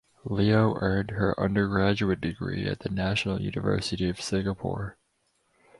Leo earned her undergraduate degree at the National University of Singapore.